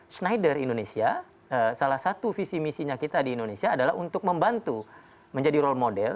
schneider indonesia salah satu visi misinya kita di indonesia adalah untuk membantu menjadi role model